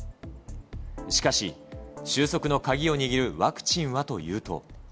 しかし、収束の鍵を握るワクチンはというと。